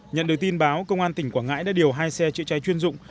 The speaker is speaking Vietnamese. nhận được tin báo công an tỉnh quảng ngãi đã điều hai xe chữa cháy chuyên dụng